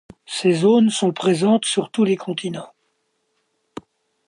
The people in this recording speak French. Ces zones sont présentes sur tous les continents.